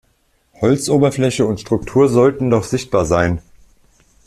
Holzoberfläche und Struktur sollten noch sichtbar sein.